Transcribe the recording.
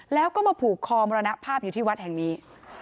แล้วก็มาผูกคอมรณภาพอยู่ที่วัดแห่งนี้